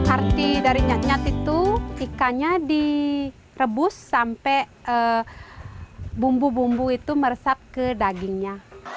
arti dari nyat nyat itu ikannya direbus sampai bumbu bumbu itu meresap ke dagingnya